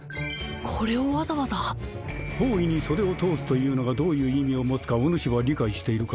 これをわざわざ法衣に袖を通すというのがどういう意味を持つかおぬしは理解しているか？